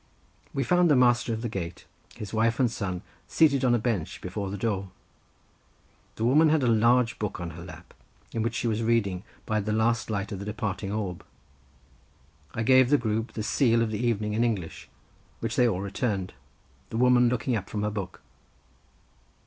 We found the master of the gate, his wife, and son seated on a bench before the door. The woman had a large book on her lap, in which she was reading by the last light of the departing orb. I gave the group the seal of the evening in English, which they all returned, the woman looking up from her book.